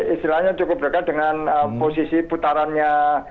istilahnya cukup dekat dengan posisi putarannya